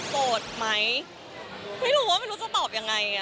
โปรดไหมไม่รู้ว่าจะตอบยังไง